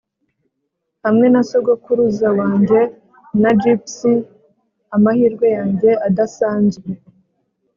hamwe na sogokuruza wanjye na gypsy amahirwe yanjye adasanzwe